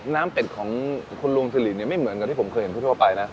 น้ำเป็ดของคุณลวงศรีเนี้ยไม่เหมือนกับที่ผมเคยเห็นผู้ทั่วไปน่ะ